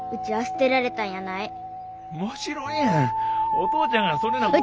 お父ちゃんがそねなこと。